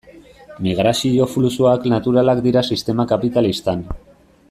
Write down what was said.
Migrazio fluxuak naturalak dira sistema kapitalistan.